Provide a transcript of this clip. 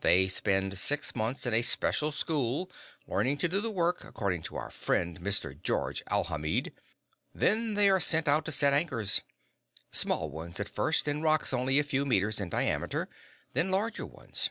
They spend six months in a special school, learning to do the work, according to our friend, Mr. Georges Alhamid. Then they are sent out to set anchors. Small ones, at first, in rocks only a few meters in diameter then larger ones.